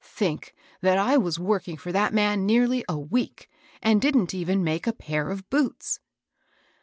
"Think that I was working for that man nearly a week, and didn't even make a pair of boots